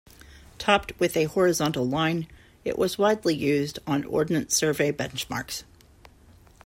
Topped with a horizontal line, it was widely used on Ordnance Survey benchmarks.